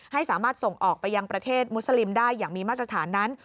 ให้สามารถส่งออกไปยังประเทศมุสลิมได้อย่างมีมาตรฐานนั้น